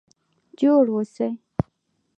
جوړ اوسئ؟